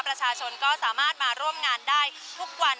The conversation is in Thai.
ประชาชนก็สามารถมาร่วมงานได้ทุกวัน